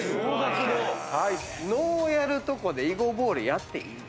能をやるとこで囲碁ボールやっていいの？